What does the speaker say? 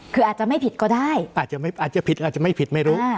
คืออาจจะไม่ผิดก็ได้อาจจะผิดอาจจะไม่ผิดไม่รู้